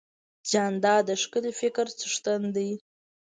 جانداد د ښکلي فکر څښتن دی.